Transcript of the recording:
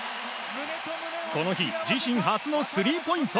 この日自身初のスリーポイント！